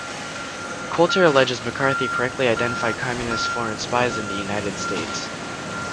Coulter alleges McCarthy correctly identified communist foreign spies in the United States.